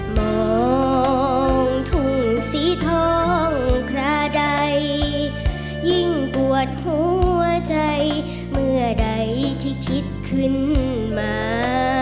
มองทุ่งสีทองคราใดยิ่งปวดหัวใจเมื่อใดที่คิดขึ้นมา